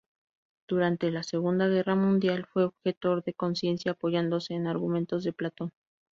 Durante la Segunda Guerra Mundial, fue objetor de conciencia, apoyándose en argumentos de Platón.